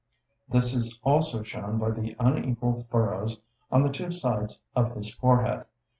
This is also shown by the unequal furrows on the two sides of his forehead.